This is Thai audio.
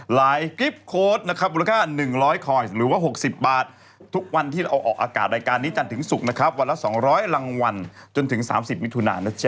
กริปโค้ดนะครับมูลค่า๑๐๐คอยสหรือว่า๖๐บาททุกวันที่เราเอาออกอากาศรายการนี้จันทร์ถึงศุกร์นะครับวันละ๒๐๐รางวัลจนถึง๓๐มิถุนานะจ๊